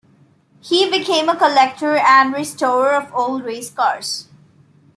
He became a collector and restorer of old race cars.